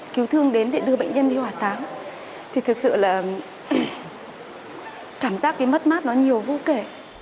cứu thương đến để đưa bệnh nhân đi hòa táng thì thực sự là cảm giác cái mất mát nó nhiều vô kể